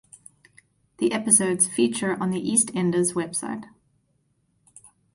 The episodes feature on the "EastEnders" website.